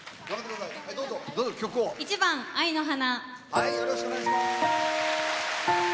１番「愛の花」。